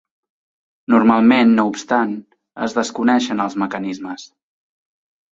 Normalment, no obstant, es desconeixen els mecanismes.